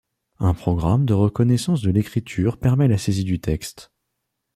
Un programme de reconnaissance de l'écriture permet la saisie du texte.